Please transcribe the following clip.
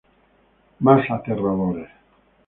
Más aterradores.